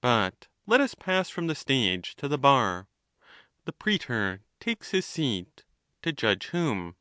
But let us pass from the stage to the bar. The prsetor' takes his seat. To judge whom?